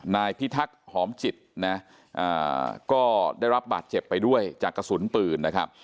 นายพิทักษ์หอมจิตนะก็ได้รับบาดเจ็บไปด้วยจากกระสุนปืนนะครับ